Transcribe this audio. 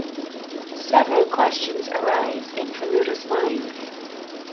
Several questions arise in Feluda's mind.